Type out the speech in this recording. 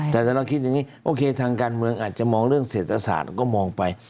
แต่ถ้าเราคิดอย่างนี้โอเคทางการเมืองอาจจะมองเรื่องเศรษฐศาสตร์ก็มองไป